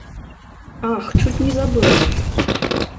Ах, чуць не забылася.